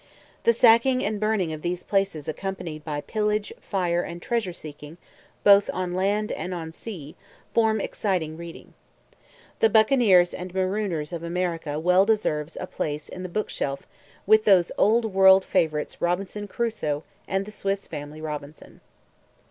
The sacking and burning of these places accompanied by pillage, fire, and treasure seeking both on land and on sea form exciting reading. The Buccaneers and Marooners of America well deserves a place on the book shelf with those old world wide favorites Robinson Crusoe and the Swiss Family Robinson.